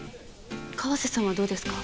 川瀬さんはどうですか？